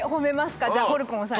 じゃあホルコムさんに。